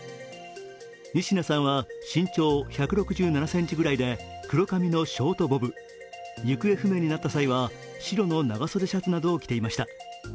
仁科さんは身長１６７ｃｍぐらいで黒髪のショートボブ、行方不明になった際は白の長袖シャツなどを着ていました。